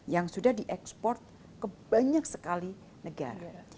yang sudah diekspor ke banyak sekali negara